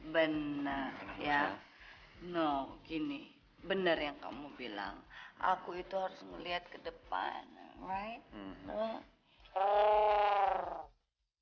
benar ya no gini benar yang kamu bilang aku itu harus melihat ke depan oh